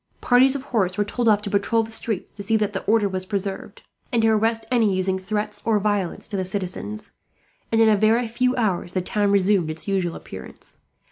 Parties of horse were told off to patrol the streets, to see that order was preserved, and to arrest any using threats or violence to the citizens; and in a very few hours the town resumed its usual appearance.